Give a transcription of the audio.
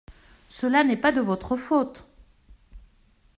Cela n’est pas de votre faute !